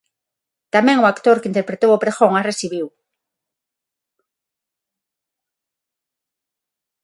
Tamén o actor que interpretou o pregón as recibiu.